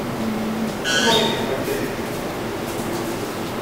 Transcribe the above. Anwa ay d-yufan taydit-nwent?